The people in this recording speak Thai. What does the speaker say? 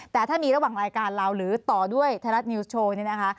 แต่ถ้ามีระหว่างรายการเราหรือต่อด้วยไทยรัฐนิวส์โชว์นี่นะคะ